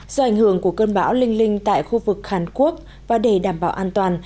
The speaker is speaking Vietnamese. do ảnh hưởng của cơn bão linh linh tại khu vực hàn quốc và để đảm bảo an toàn